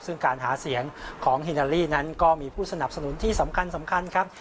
ซึ่งการหาเสียงของฮิลาลีนั้นก็มีผู้สนับสนุนที่สำคัญครับ